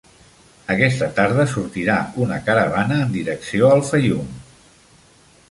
"Aquesta tarda sortirà una caravana en direcció al Faium."